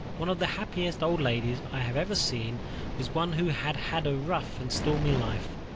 One of the happiest old ladies I have ever seen was one who had had a rough and stormy life.